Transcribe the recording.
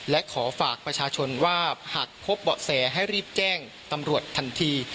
และขอฝากประชาชนว่าหากพบเบาะแสให้รีบแจ้งตำรวจทันที